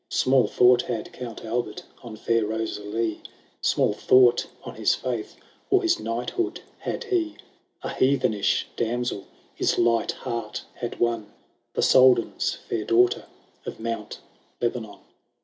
Small thought had Count Albert on fair Rosalie, Small thought on his faith, or his knighthood, had he; A heathenish damsel his light heart had won, The Soldan's fair daughter of Mount Lebanon.